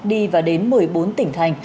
đi và đến một mươi bốn tỉnh thành